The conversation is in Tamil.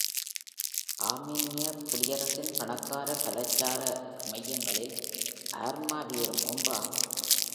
ஆர்மீனியா குடியரசின் பணக்கார கலாச்சார மையங்களில் அர்மாவீரும் ஒன்றாகும்.